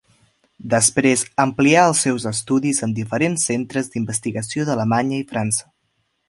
Després amplià els seus estudis en diferents centres d'investigació d'Alemanya i França.